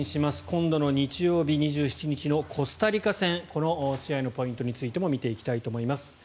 今度の日曜日、２７日のコスタリカ戦この試合のポイントについても見ていきたいと思います。